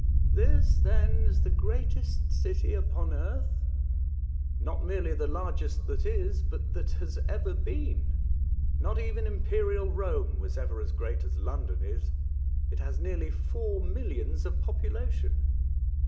*' This, then, is the greatest city upon earth ?"" Not merely the largest that is, but that ever has been. Not even Imperial Rome was London, 2^ ever as great as London is. It has nearly four millions of population."